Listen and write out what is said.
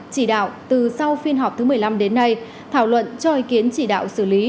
chỉ đạo từ sau phiên họp thứ một mươi năm đến nay thảo luận cho ý kiến chỉ đạo xử lý